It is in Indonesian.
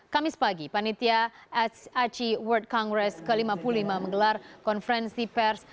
kamis pagi panitia aci world congress ke lima puluh lima menggelar konferensi pers